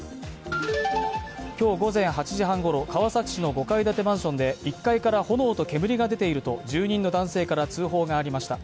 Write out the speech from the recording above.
今日午前８時半ごろ、川崎市の５階建てマンションで１階から炎と煙が出ていると住人の男性から通報がありました。